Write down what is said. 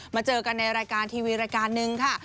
เจอกันในรายการทีวีรายการนึงค่ะ